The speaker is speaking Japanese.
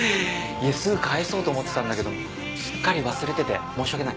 すぐ返そうと思ってたんだけどもすっかり忘れてて申し訳ない。